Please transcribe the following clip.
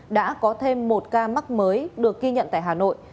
đã có thêm một ca mắc mới được ghi nhận tại hà nội